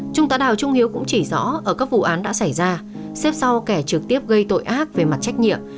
trung tá đào trung hiếu cũng chỉ rõ ở các vụ án đã xảy ra xếp sau kẻ trực tiếp gây tội ác về mặt trách nhiệm